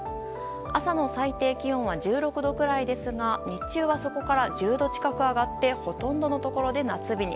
朝の最低気温は１６度ぐらいですが日中はそこから１０度近く上がりほとんどのところで夏日に。